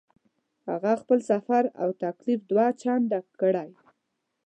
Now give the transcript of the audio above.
هغه خپل سفر او تکلیف دوه چنده کړی.